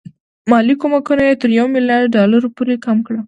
مالي کومکونه یې تر یو میلیارډ ډالرو پورې کم کړل.